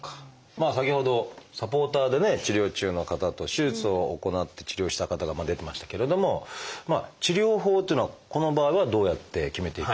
まあ先ほどサポーターでね治療中の方と手術を行って治療した方が出てましたけれども治療法というのはこの場合はどうやって決めていきましょうか？